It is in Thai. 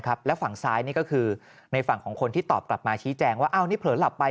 แล้วฝั่งซ้ายนี่ก็คือในฝั่งของคนที่ตอบกลับมาชี้แจงว่าอ้าวนี่เผลอหลับไป